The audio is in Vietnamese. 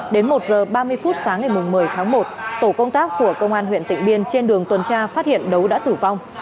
đến một h ba mươi phút sáng ngày một mươi tháng một tổ công tác của công an huyện tịnh biên trên đường tuần tra phát hiện đấu đã tử vong